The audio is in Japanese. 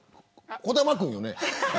児玉君よね。